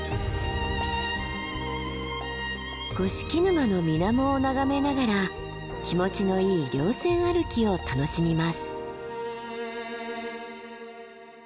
五色沼の水面を眺めながら気持ちのいい稜線歩きを楽しみます。